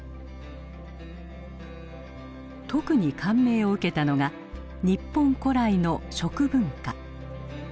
特に感銘を受けたのが日本古来の食文化。